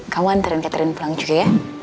kamu hantarin catherine pulang juga ya